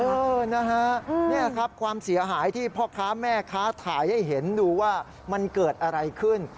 เออนะฮะนี่ครับความเสียหายที่พ่อค้าแม่ค้าถ่ายให้เห็นดูว่ามันเกิดอะไรขึ้น